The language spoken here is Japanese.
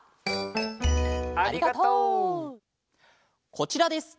こちらです。